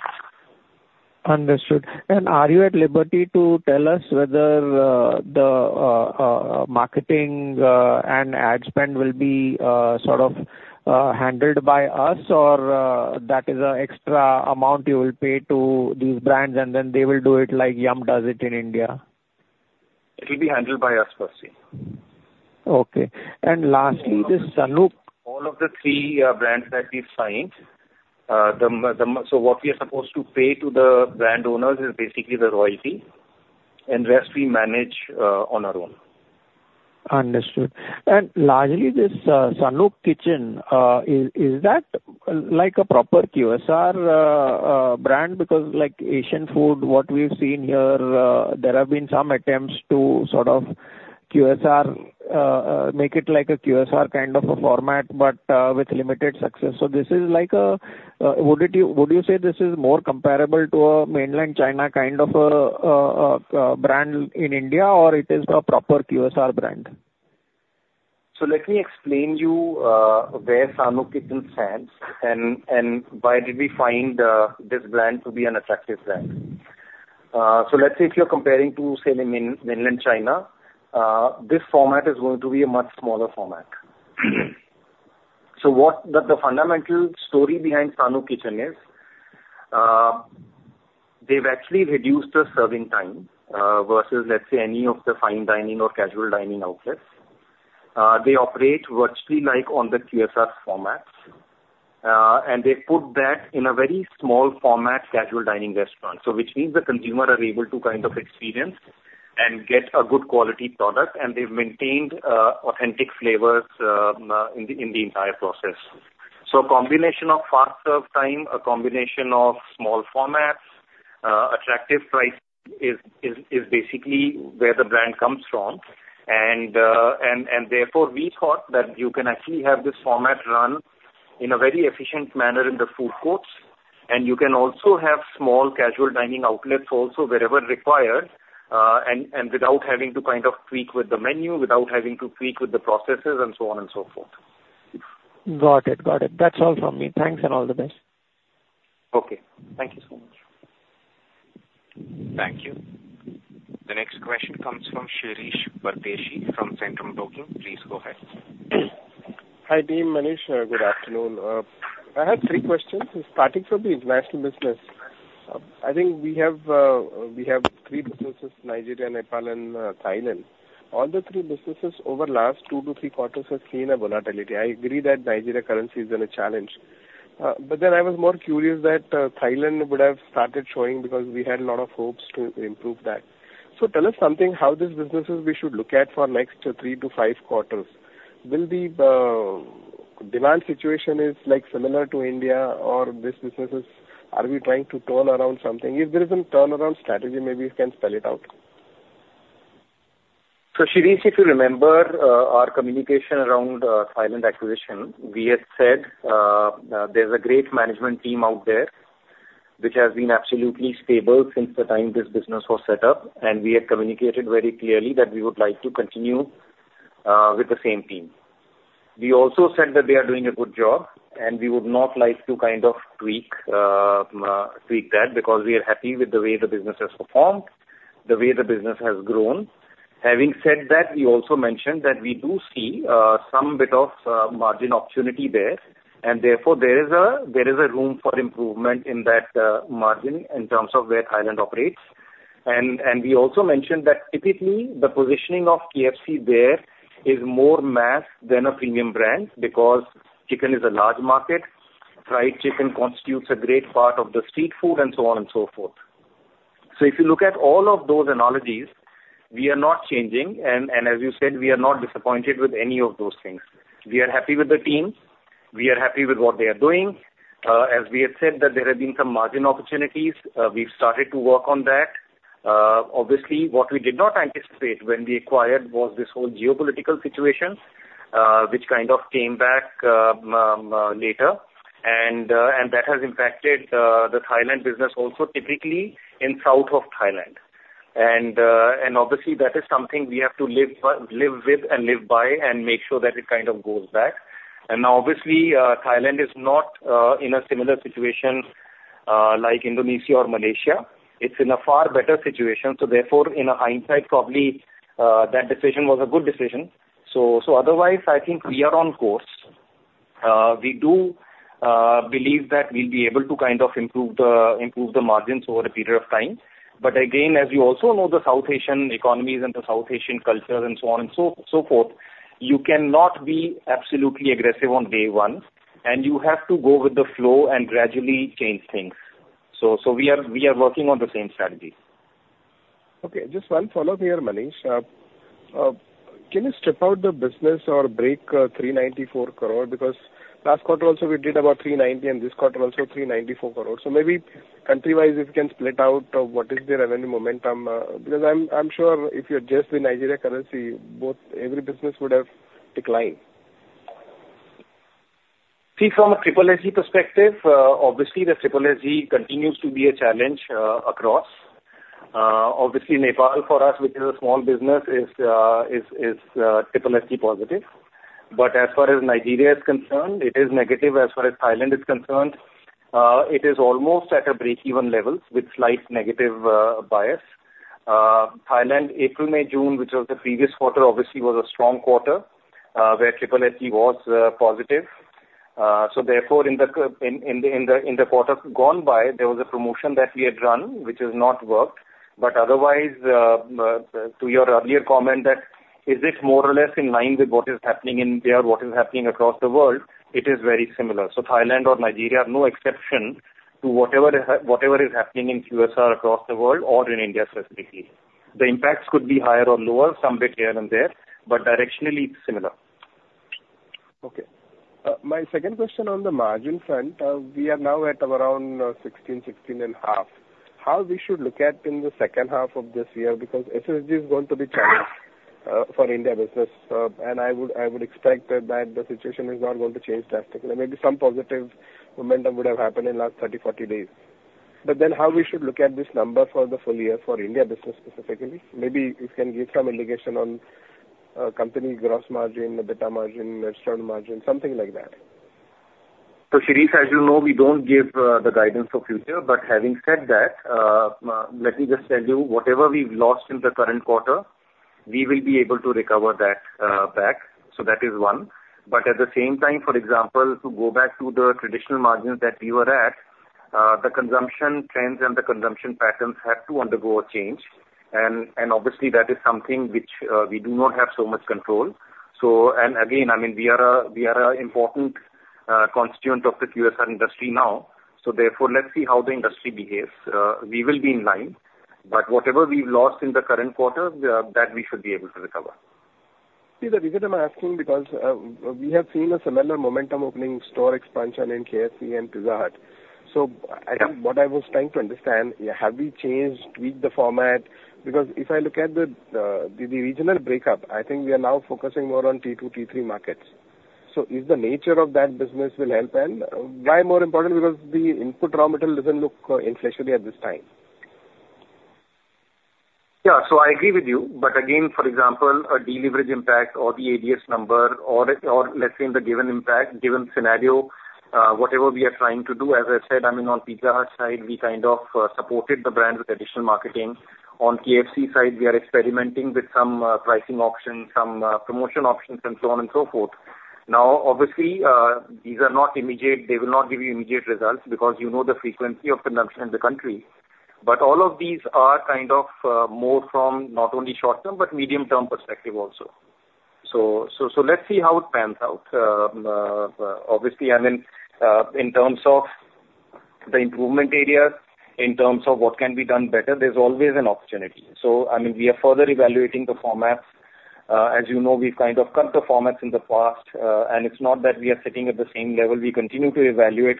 Understood. And are you at liberty to tell us whether the marketing and ad spend will be sort of handled by us, or that is an extra amount you will pay to these brands, and then they will do it like Yum does it in India? It will be handled by us, Percy. Okay. And lastly, the Sanook. All of the three brands that we signed, so what we are supposed to pay to the brand owners is basically the royalty and the rest we manage on our own. Understood. And largely, this Sanook Kitchen, is that like a proper QSR brand? Because like Asian food, what we've seen here, there have been some attempts to sort of QSR, make it like a QSR kind of a format, but with limited success. So this is like a, would you say this is more comparable to a Mainland China kind of a brand in India, or it is a proper QSR brand? So let me explain to you where Sanook Kitchen stands and why did we find this brand to be an attractive brand. So let's say if you're comparing to, say, Mainland China, this format is going to be a much smaller format. So what the fundamental story behind Sanook Kitchen is, they've actually reduced the serving time versus, let's say, any of the fine dining or casual dining outlets. They operate virtually like on the QSR formats. And they've put that in a very small format casual dining restaurant, which means the consumer is able to kind of experience and get a good quality product. And they've maintained authentic flavors in the entire process. So a combination of fast serve time, a combination of small formats, attractive price is basically where the brand comes from. And therefore, we thought that you can actually have this format run in a very efficient manner in the food courts. And you can also have small casual dining outlets also wherever required and without having to kind of tweak with the menu, without having to tweak with the processes, and so on and so forth. Got it. Got it. That's all from me. Thanks and all the best. Okay. Thank you so much. Thank you. The next question comes from Shirish Pardeshi from Centrum Broking. Please go ahead. Hi team, Manish. Good afternoon. I had three questions starting from the international business. I think we have three businesses: Nigeria, Nepal, and Thailand. All the three businesses over the last two to three quarters have seen a volatility. I agree that Nigerian currency is in a challenge. But then I was more curious that Thailand would have started showing because we had a lot of hopes to improve that. So tell us something how these businesses we should look at for next three to five quarters. Will the demand situation be similar to India, or are we trying to turn around something? If there is a turnaround strategy, maybe you can spell it out. Shirish, if you remember our communication around Thailand acquisition, we had said there's a great management team out there which has been absolutely stable since the time this business was set up. And we had communicated very clearly that we would like to continue with the same team. We also said that they are doing a good job, and we would not like to kind of tweak that because we are happy with the way the business has performed, the way the business has grown. Having said that, we also mentioned that we do see some bit of margin opportunity there. And therefore, there is a room for improvement in that margin in terms of where Thailand operates. And we also mentioned that typically the positioning of KFC there is more mass than a premium brand because chicken is a large market. Fried chicken constitutes a great part of the street food and so on and so forth. So if you look at all of those analogies, we are not changing. And as you said, we are not disappointed with any of those things. We are happy with the team. We are happy with what they are doing. As we had said, there have been some margin opportunities. We've started to work on that. Obviously, what we did not anticipate when we acquired was this whole geopolitical situation, which kind of came back later. And that has impacted the Thailand business also typically in south of Thailand. And obviously, that is something we have to live with and live by and make sure that it kind of goes back. And now, obviously, Thailand is not in a similar situation like Indonesia or Malaysia. It's in a far better situation. So therefore, in hindsight, probably that decision was a good decision. So otherwise, I think we are on course. We do believe that we'll be able to kind of improve the margins over a period of time. But again, as you also know, the South Asian economies and the South Asian cultures and so on and so forth, you cannot be absolutely aggressive on day one. And you have to go with the flow and gradually change things. So we are working on the same strategy. Okay. Just one follow-up here, Manish. Can you strip out the business or break 394 crore? Because last quarter also we did about 390 crore, and this quarter also 394 crore. So maybe countrywise, if you can split out what is the revenue momentum? Because I'm sure if you adjust the Nigeria currency, every business would have declined. See, from a SSG perspective, obviously, the SSG continues to be a challenge across. Obviously, Nepal for us, which is a small business, is SSG positive. But as far as Nigeria is concerned, it is negative. As far as Thailand is concerned, it is almost at a break-even level with slight negative bias. Thailand, April, May, June, which was the previous quarter, obviously was a strong quarter where SSG was positive. So therefore, in the quarter gone by, there was a promotion that we had run which has not worked. But otherwise, to your earlier comment that is it more or less in line with what is happening in India or what is happening across the world, it is very similar. So Thailand or Nigeria are no exception to whatever is happening in QSR across the world or in India specifically. The impacts could be higher or lower, some bit here and there, but directionally, it's similar. Okay. My second question on the margin front, we are now at around 16%-16.5%. How we should look at in the second half of this year because SSG is going to be challenged for India business. And I would expect that the situation is not going to change drastically. Maybe some positive momentum would have happened in the last 30-40 days. But then how we should look at this number for the full year for India business specifically? Maybe you can give some indication on company gross margin, EBITDA margin, net margin, something like that. Percy, as you know, we don't give the guidance for future. But having said that, let me just tell you, whatever we've lost in the current quarter, we will be able to recover that back. So that is one. But at the same time, for example, to go back to the traditional margins that we were at, the consumption trends and the consumption patterns have to undergo a change. And obviously, that is something which we do not have so much control. And again, I mean, we are an important constituent of the QSR industry now. So therefore, let's see how the industry behaves. We will be in line. But whatever we've lost in the current quarter, that we should be able to recover. See, the reason I'm asking because we have seen a similar momentum opening store expansion in KFC and Pizza Hut. So what I was trying to understand, have we changed, tweaked the format? Because if I look at the regional break-up, I think we are now focusing more on T2, T3 markets. So is the nature of that business will help? And why more important? Because the input raw material doesn't look inflationary at this time. Yeah. So I agree with you. But again, for example, a deleverage impact or the ADS number, or let's say in the given scenario, whatever we are trying to do, as I said, I mean, on Pizza Hut side, we kind of supported the brand with additional marketing. On KFC side, we are experimenting with some pricing options, some promotion options, and so on and so forth. Now, obviously, these are not immediate. They will not give you immediate results because you know the frequency of consumption in the country. But all of these are kind of more from not only short-term but medium-term perspective also. So let's see how it pans out. Obviously, I mean, in terms of the improvement areas, in terms of what can be done better, there's always an opportunity. So I mean, we are further evaluating the formats. As you know, we've kind of cut the formats in the past, and it's not that we are sitting at the same level. We continue to evaluate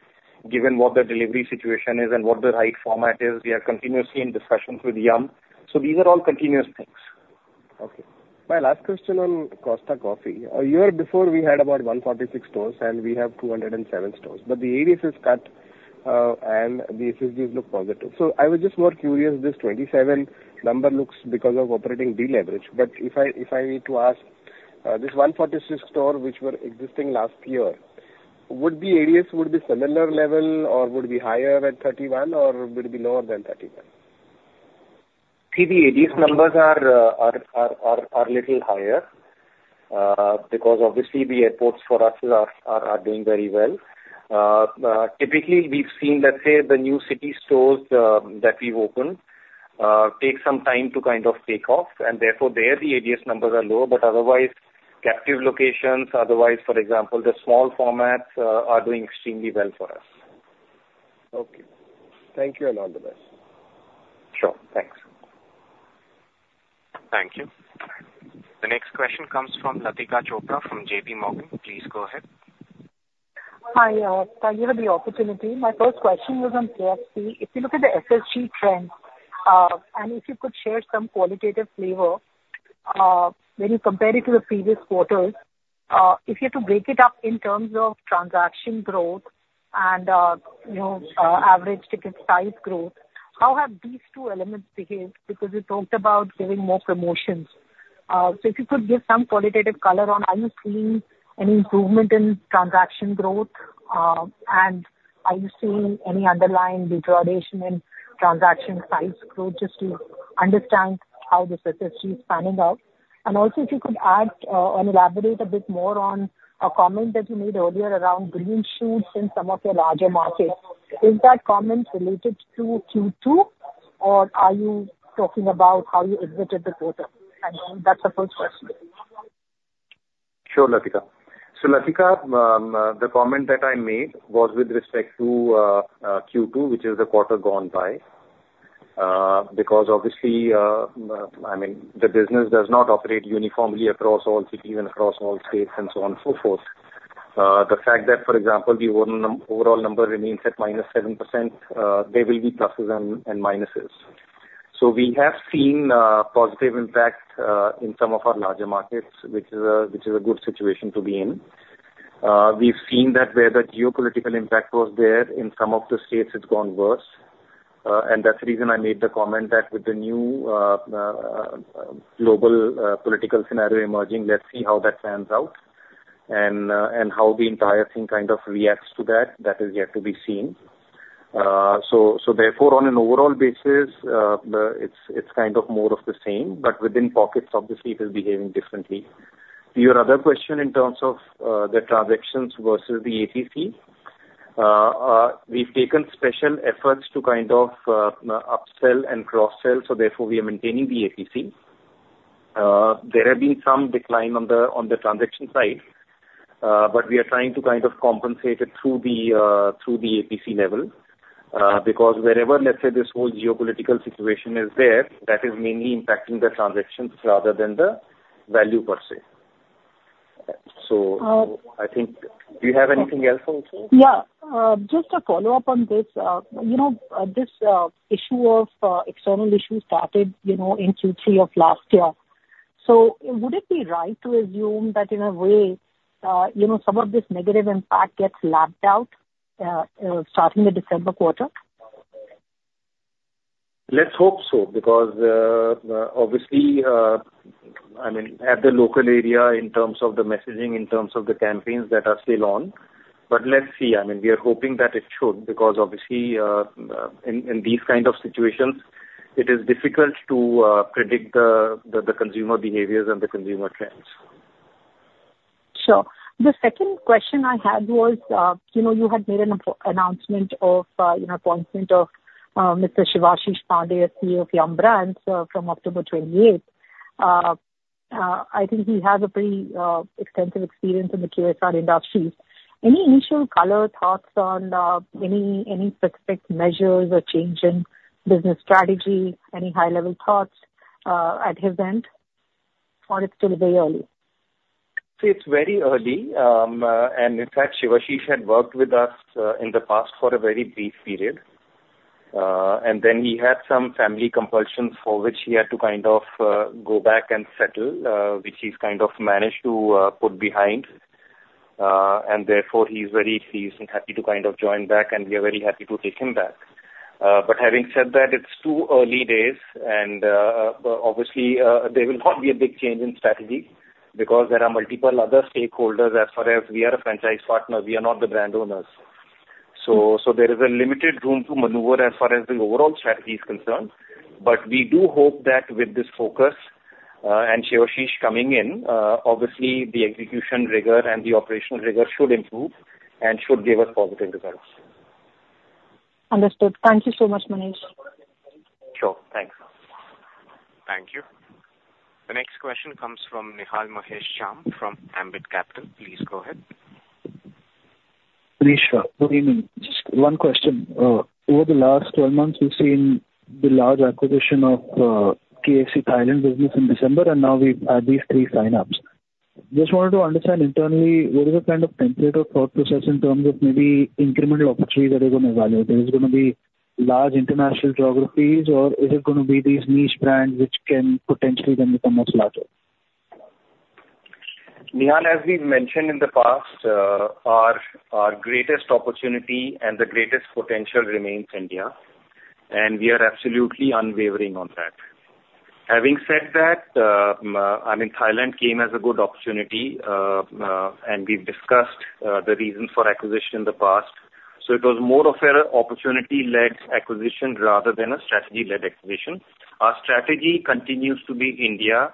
given what the delivery situation is and what the right format is. We are continuously in discussions with Yum, so these are all continuous things. Okay. My last question on Costa Coffee. A year before, we had about 146 stores, and we have 207 stores. But the ADS is cut, and the SSGs look positive. So I was just more curious, this 27 number looks because of operating deleverage. But if I need to ask, this 146 stores which were existing last year, would the ADS be similar level, or would it be higher at 31, or would it be lower than 31? See, the ADS numbers are a little higher because obviously, the airports for us are doing very well. Typically, we've seen, let's say, the new city stores that we've opened take some time to kind of take off, and therefore, there, the ADS numbers are lower, but otherwise, captive locations, otherwise, for example, the small formats are doing extremely well for us. Okay. Thank you, all the best. Sure. Thanks. Thank you. The next question comes from Latika Chopra from JP Morgan. Please go ahead. Hi, thank you for the opportunity. My first question was on KFC. If you look at the SSG trends, and if you could share some qualitative flavor, when you compare it to the previous quarters, if you have to break it up in terms of transaction growth and average ticket size growth, how have these two elements behaved? Because you talked about giving more promotions. So if you could give some qualitative color on, are you seeing any improvement in transaction growth? And are you seeing any underlying degradation in transaction size growth? Just to understand how this SSG is panning out. And also, if you could add or elaborate a bit more on a comment that you made earlier around green shoots in some of your larger markets. Is that comment related to Q2, or are you talking about how you exited the quarter? And that's the first question. Sure, Latika. So Latika, the comment that I made was with respect to Q2, which is the quarter gone by. Because obviously, I mean, the business does not operate uniformly across all cities and across all states and so on and so forth. The fact that, for example, the overall number remains at -7%, there will be pluses and minuses, so we have seen a positive impact in some of our larger markets, which is a good situation to be in. We've seen that where the geopolitical impact was there, in some of the states, it's gone worse, and that's the reason I made the comment that with the new global political scenario emerging, let's see how that pans out and how the entire thing kind of reacts to that. That is yet to be seen, so therefore, on an overall basis, it's kind of more of the same. But within pockets, obviously, it is behaving differently. Your other question in terms of the transactions versus the APC, we've taken special efforts to kind of upsell and cross-sell. So therefore, we are maintaining the APC. There has been some decline on the transaction side, but we are trying to kind of compensate it through the APC level. Because wherever, let's say, this whole geopolitical situation is there, that is mainly impacting the transactions rather than the value per se. So I think, do you have anything else also? Yeah. Just a follow-up on this. This issue of external issues started in Q3 of last year. So would it be right to assume that in a way, some of this negative impact gets lapped out starting the December quarter? Let's hope so because, obviously, I mean, at the local area in terms of the messaging, in terms of the campaigns that are still on. But let's see. I mean, we are hoping that it should because, obviously, in these kind of situations, it is difficult to predict the consumer behaviors and the consumer trends. Sure. The second question I had was you had made an announcement of appointment of Mr. Shivashish Pandey, CEO of Yum Brands from October 28. I think he has a pretty extensive experience in the QSR industry. Any initial color thoughts on any specific measures or change in business strategy? Any high-level thoughts at his end? Or it's still very early? See, it's very early. And in fact, Shivashish had worked with us in the past for a very brief period. And then he had some family compulsions for which he had to kind of go back and settle, which he's kind of managed to put behind. And therefore, he's very pleased and happy to kind of join back. And we are very happy to take him back. But having said that, it's too early days. And obviously, there will not be a big change in strategy because there are multiple other stakeholders. As far as we are a franchise partner, we are not the brand owners. So there is a limited room to maneuver as far as the overall strategy is concerned. But we do hope that with this focus and Shivashish coming in, obviously, the execution rigor and the operational rigor should improve and should give us positive results. Understood. Thank you so much, Manish. Sure. Thanks. Thank you. The next question comes from Nihal Mahesh Jham from Ambit Capital. Please go ahead. Pleasure. Good evening. Just one question. Over the last 12 months, we've seen the large acquisition of KFC Thailand business in December, and now we've had these three sign-ups. Just wanted to understand internally, what is the kind of template or thought process in terms of maybe incremental opportunities that are going to evaluate? Is it going to be large international geographies, or is it going to be these niche brands which can potentially then become much larger? Nihal, as we've mentioned in the past, our greatest opportunity and the greatest potential remains India, and we are absolutely unwavering on that. Having said that, I mean, Thailand came as a good opportunity, and we've discussed the reasons for acquisition in the past, so it was more of an opportunity-led acquisition rather than a strategy-led acquisition. Our strategy continues to be India.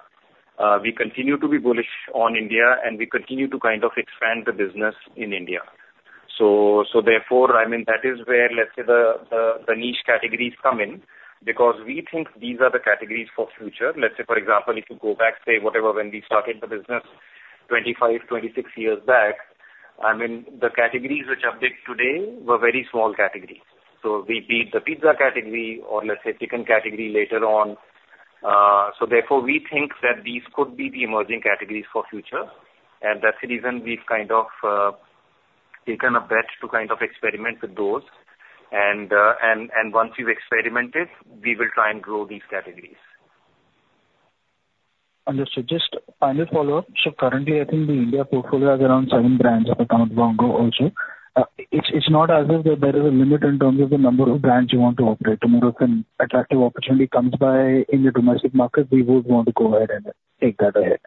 We continue to be bullish on India, and we continue to kind of expand the business in India, so therefore, I mean, that is where, let's say, the niche categories come in because we think these are the categories for future. Let's say, for example, if you go back, say, whatever, when we started the business 25, 26 years back, I mean, the categories which are big today were very small categories, so we beat the pizza category or, let's say, chicken category later on. So therefore, we think that these could be the emerging categories for future. And that's the reason we've kind of taken a bet to kind of experiment with those. And once we've experimented, we will try and grow these categories. Understood. Just a final follow-up. So currently, I think the India portfolio has around seven brands at the time of Yum Go also. It's not as if there is a limit in terms of the number of brands you want to operate. The more of an attractive opportunity comes by in the domestic market, we would want to go ahead and take that ahead.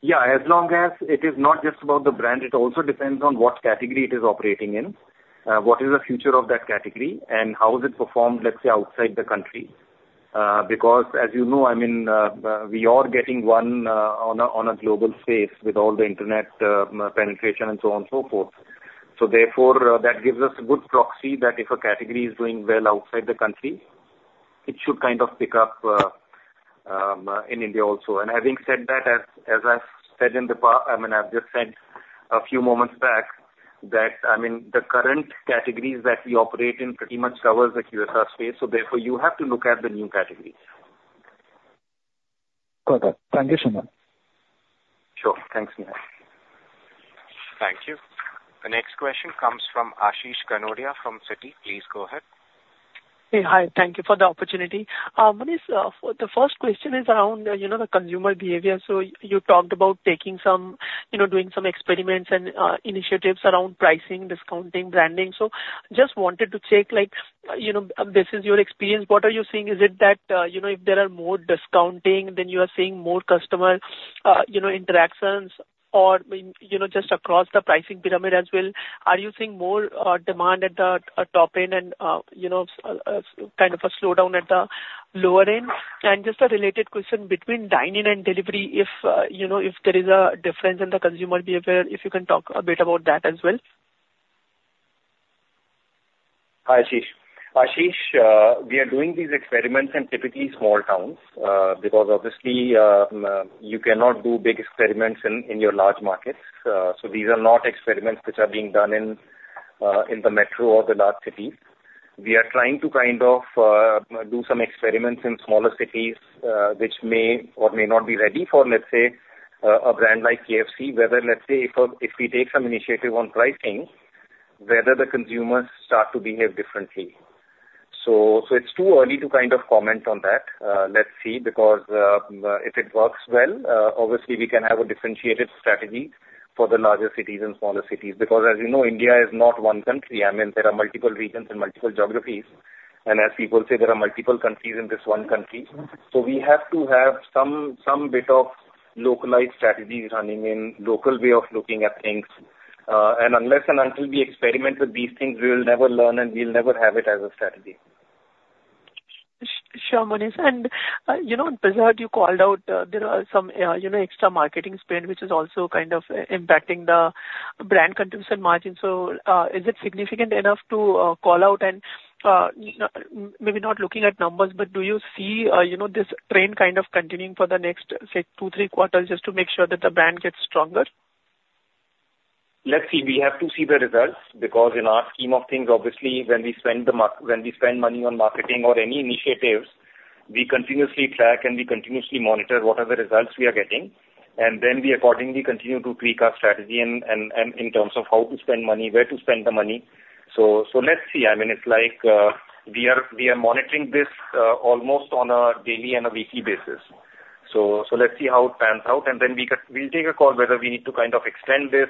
Yeah. As long as it is not just about the brand, it also depends on what category it is operating in, what is the future of that category, and how is it performed, let's say, outside the country. Because, as you know, I mean, we are getting one on a global space with all the internet penetration and so on and so forth. So therefore, that gives us a good proxy that if a category is doing well outside the country, it should kind of pick up in India also. And having said that, as I've said in the I mean, I've just said a few moments back that, I mean, the current categories that we operate in pretty much cover the QSR space. So therefore, you have to look at the new categories. Perfect. Thank you so much. Sure. Thanks, Nihal. Thank you. The next question comes from Ashish Kanodia from Citi. Please go ahead. Hey, hi. Thank you for the opportunity. Manish, the first question is around the consumer behavior. So you talked about taking some, doing some experiments and initiatives around pricing, discounting, branding. So just wanted to check; this is your experience. What are you seeing? Is it that if there are more discounting, then you are seeing more customer interactions or just across the pricing pyramid as well? Are you seeing more demand at the top end and kind of a slowdown at the lower end? And just a related question: between dining and delivery, if there is a difference in the consumer behavior, if you can talk a bit about that as well. Ashish. Ashish, we are doing these experiments in typically small towns because, obviously, you cannot do big experiments in your large markets. So these are not experiments which are being done in the metro or the large cities. We are trying to kind of do some experiments in smaller cities which may or may not be ready for, let's say, a brand like KFC, whether, let's say, if we take some initiative on pricing, whether the consumers start to behave differently. So it's too early to kind of comment on that. Let's see. Because if it works well, obviously, we can have a differentiated strategy for the larger cities and smaller cities. Because, as you know, India is not one country. I mean, there are multiple regions and multiple geographies. And as people say, there are multiple countries in this one country. So we have to have some bit of localized strategies running in local way of looking at things. And unless and until we experiment with these things, we will never learn, and we'll never have it as a strategy. Sure, Manish. And in bazaar, you called out there are some extra marketing spend, which is also kind of impacting the brand contribution margin. So is it significant enough to call out? And maybe not looking at numbers, but do you see this trend kind of continuing for the next, say, two, three quarters just to make sure that the brand gets stronger? Let's see. We have to see the results because, in our scheme of things, obviously, when we spend money on marketing or any initiatives, we continuously track and we continuously monitor what are the results we are getting. And then we, accordingly, continue to tweak our strategy in terms of how to spend money, where to spend the money. So let's see. I mean, it's like we are monitoring this almost on a daily and a weekly basis. So let's see how it pans out. And then we'll take a call whether we need to kind of extend this,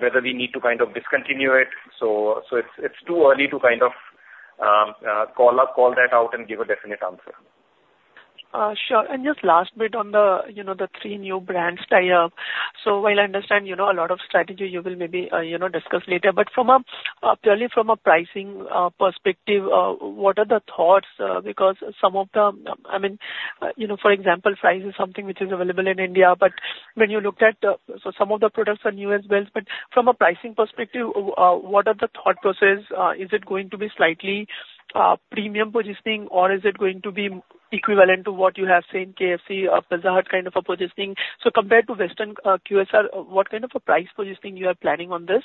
whether we need to kind of discontinue it. So it's too early to kind of call that out and give a definite answer. Sure. And just last bit on the three new brands. So while I understand a lot of strategy you will maybe discuss later, but purely from a pricing perspective, what are the thoughts? Because some of the, I mean, for example, fries is something which is available in India. But when you looked at some of the products are new as well. But from a pricing perspective, what are the thought process? Is it going to be slightly premium positioning, or is it going to be equivalent to what you have seen KFC, biryani kind of a positioning? So compared to Western QSR, what kind of a price positioning you are planning on this?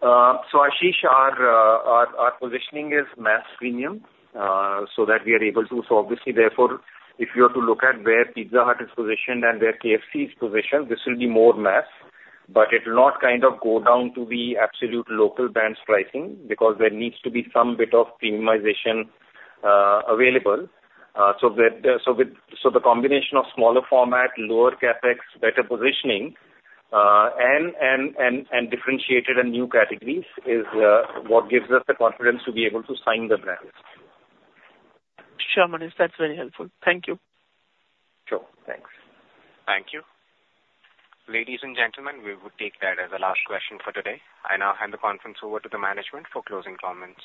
So Ashish, our positioning is mass premium so that we are able to. So obviously, therefore, if you are to look at where Pizza Hut is positioned and where KFC is positioned, this will be more mass. But it will not kind of go down to the absolute local brand's pricing because there needs to be some bit of premiumization available. So the combination of smaller format, lower CapEx, better positioning, and differentiated and new categories is what gives us the confidence to be able to sign the brands. Sure, Manish. That's very helpful. Thank you. Sure. Thanks. Thank you. Ladies and gentlemen, we would take that as a last question for today. I now hand the conference over to the management for closing comments.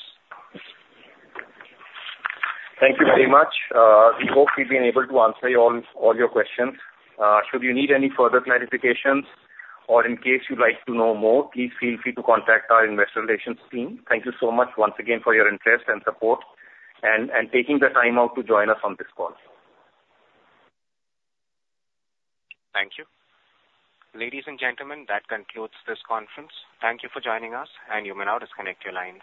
Thank you very much. We hope we've been able to answer all your questions. Should you need any further clarifications or in case you'd like to know more, please feel free to contact our investor relations team. Thank you so much once again for your interest and support and taking the time out to join us on this call. Thank you. Ladies and gentlemen, that concludes this conference. Thank you for joining us, and you may now disconnect your lines.